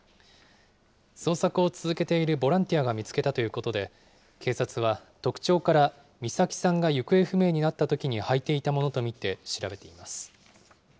捜索を続けているボランティアが見つけたということで、警察は特徴から美咲さんが行方不明になったときにはいていたものと見て調べています。